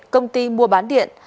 công ty mua bán điện